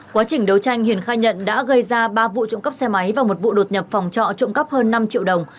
quá trình đấu tranh hiền khai nhận đã gây ra ba vụ trộm cắp xe máy và một vụ đột nhập phòng trọ trộm cắp hơn năm triệu đồng